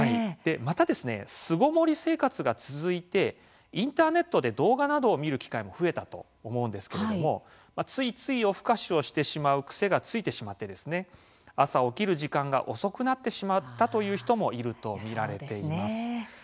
また巣ごもり生活が続いてインターネットで動画などを見る機会も増えたと思うんですけれどもついつい夜更かしをしてしまう癖がついてしまって朝起きる時間が遅くなったという人もいると見られています。